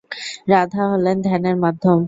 রাধা হলেন ধ্যানের মাধ্যম।